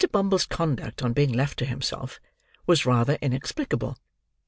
Bumble's conduct on being left to himself, was rather inexplicable.